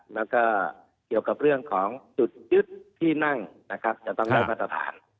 แล้วก็เกี่ยวกับเรื่องของจุดยึดที่นั่งนะครับจะต้องได้มาตรฐาน